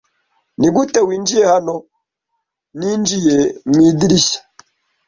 "Nigute winjiye hano?" "Ninjiye mu idirishya."